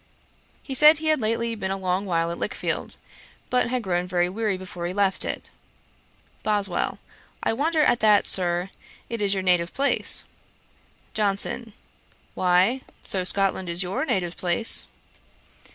He said he had lately been a long while at Lichfield, but had grown very weary before he left it. BOSWELL. 'I wonder at that, Sir; it is your native place.' JOHNSON. 'Why, so is Scotland your native place.'